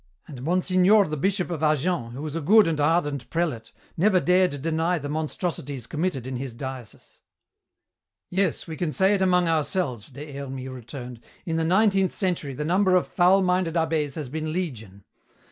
And Monsignor the Bishop of Agen, who was a good and ardent prelate, never dared deny the monstrosities committed in his diocese!" "Yes, we can say it among ourselves," Des Hermies returned, "in the nineteenth century the number of foul minded abbés has been legion.